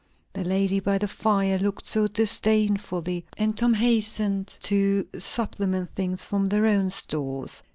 The lady by the fire looked on disdainfully, and Tom hastened to supplement things from their own stores.